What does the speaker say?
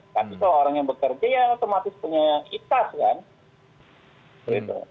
tapi kalau orang yang bekerja ya otomatis punya ikat kan